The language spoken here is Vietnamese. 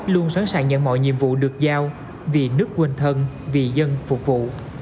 luôn sẵn sàng nhận mọi nhiệm vụ được giao vì nước quên thân vì dân phục vụ